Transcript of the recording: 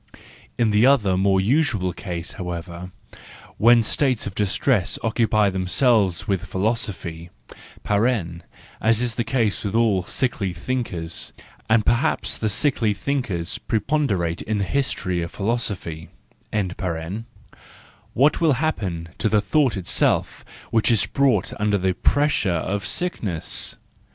In the other more usual case, however, when states of distress occupy them¬ selves with philosophy (as is the case with all sickly thinkers—and perhaps the sickly thinkers pre¬ ponderate in the history of philosophy), what will happen to the thought itself which is brought under the pressure of sickness?